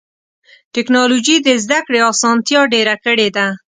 ټکنالوجي د زدهکړې اسانتیا ډېره کړې ده.